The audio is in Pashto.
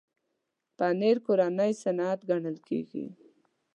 پنېر کورنی صنعت ګڼل کېږي.